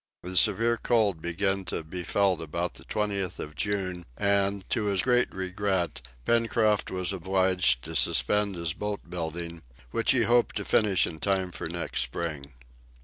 The severe cold began to be felt about the 20th of June, and, to his great regret, Pencroft was obliged to suspend his boat building, which he hoped to finish in time for next spring.